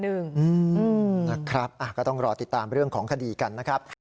นะครับก็ต้องรอติดตามเรื่องของคดีกันนะครับ